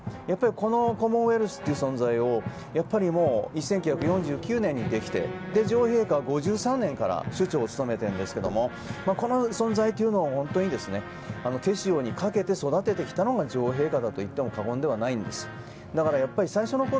このコモンウェルスという存在は１９４９年にできて女王陛下は５３年から首長を務めているんですがこの存在は本当に手塩にかけて育ててきたのは女王陛下だといっても過言ではないんです。